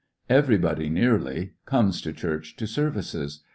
Everybody nearly comes to church to services.